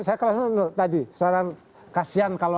saya kelas tadi kasian kalau